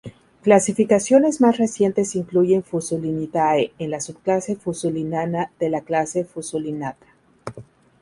Clasificaciones más recientes incluyen Fusulinidae en la subclase Fusulinana de la clase Fusulinata.